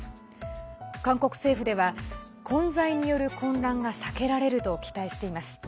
韓国政府では、混在による混乱が避けられると期待しています。